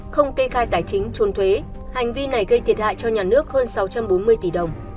không kê khai tài chính trôn thuế hành vi này gây thiệt hại cho nhà nước hơn sáu trăm bốn mươi tỷ đồng